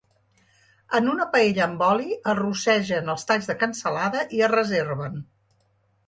En una paella amb oli, es rossegen els talls de cansalada i es reserven.